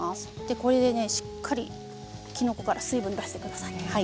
これでしっかりと、きのこから水分を出してください。